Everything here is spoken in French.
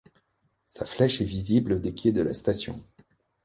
Sa flèche est visible des quais de la station.